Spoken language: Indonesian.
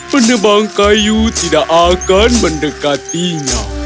penebang kayu tidak akan mendekatinya